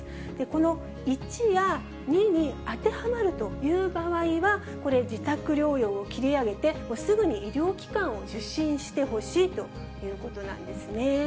この１や２に当てはまるという場合は、これ、自宅療養を切り上げて、すぐに医療機関を受診してほしいということなんですね。